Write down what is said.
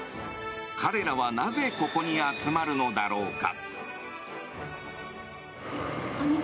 彼らはなぜここに集まるのだろうか。